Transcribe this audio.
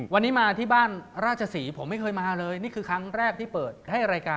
วันนี้มาที่บ้านราชศรีผมไม่เคยมาเลยนี่คือครั้งแรกที่เปิดให้รายการ